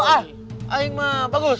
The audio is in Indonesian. ah yang mah bagus